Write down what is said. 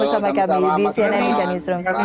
bersama kami di cnn insanistrum